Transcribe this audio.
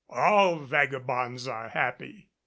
"All vagabonds are happy."